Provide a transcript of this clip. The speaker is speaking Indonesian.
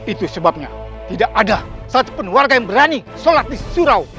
itu sebabnya tidak ada satupun warga yang berani sholat di surau